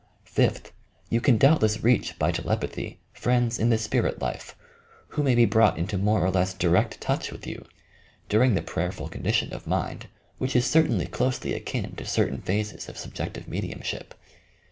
Fifth, you ean doubtless reach, by telepathy, friends in the spirit life, who may be brought into more or less direct touch with you, during the prayerful condition of mind which is certainly closely akin to certain phases of subjective mediumship.